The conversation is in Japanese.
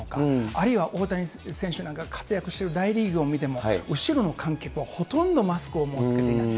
あるいは大谷選手なんか活躍してる大リーグなんか見ても、後ろの観客はほとんどマスクをもう着けていない。